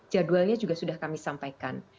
jadwalnya juga sudah kami sampaikan